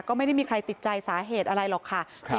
ก็ไม่ได้มีใครติดใจสาเหตุอะไรหรอกค่ะ